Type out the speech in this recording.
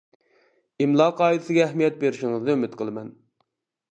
ئىملا قائىدىسىگە ئەھمىيەت بېرىشىڭىزنى ئۈمىد قىلىمەن.